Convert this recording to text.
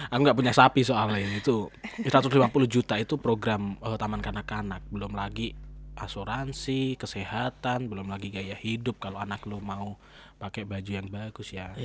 aku nggak punya sapi soal lainnya itu satu ratus lima puluh juta itu program taman kanak kanak belum lagi asuransi kesehatan belum lagi gaya hidup kalau anak lo mau pakai baju yang bagus ya